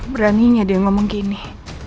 beraninya dia ngomong gini